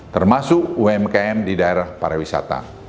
termasuk umkm di daerah para wisata